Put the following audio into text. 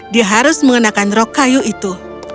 dia harus mengenakan rok kayu itu